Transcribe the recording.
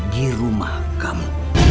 di rumah kamu